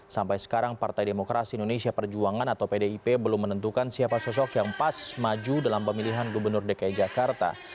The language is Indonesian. sampai sekarang partai demokrasi indonesia perjuangan atau pdip belum menentukan siapa sosok yang pas maju dalam pemilihan gubernur dki jakarta